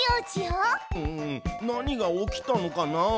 うん何が起きたのかな？